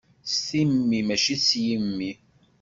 S timmi mačči s yimi.